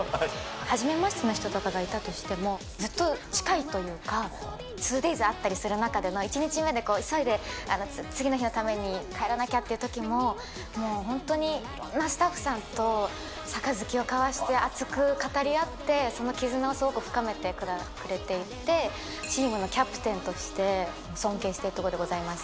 はじめましての人とかがいたとしても、ずっと近いというか、２Ｄａｙｓあったりする中での、１日目で、急いで次の日のために帰らなきゃっていうときも、もう本当に、いろんなスタッフさんと杯を交わして、熱く語り合って、そのきずなをすごく深めてくれていて、チームのキャプテンとして尊敬しているところでございます。